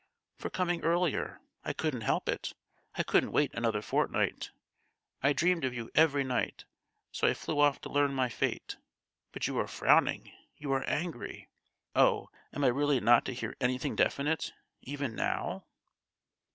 "For coming earlier. I couldn't help it; I couldn't wait another fortnight; I dreamed of you every night; so I flew off to learn my fate. But you are frowning, you are angry;—oh; am I really not to hear anything definite, even now?"